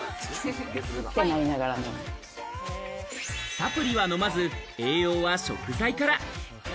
サプリは飲まず、栄養は食材から。